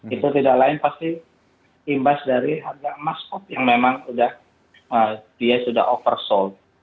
itu tidak lain pasti imbas dari harga emas yang memang dia sudah oversold